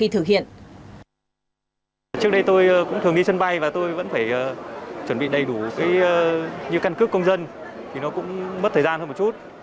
trước đây tôi cũng thường đi sân bay và tôi vẫn phải chuẩn bị đầy đủ như căn cước công dân thì nó cũng mất thời gian hơn một chút